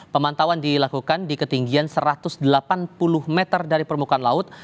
pemantauan dilakukan di ketinggian satu ratus delapan puluh meter dari permukaan laut